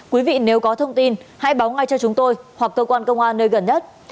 quý vị nếu có thông tin hãy báo ngay cho chúng tôi hoặc cơ quan công an nơi gần nhất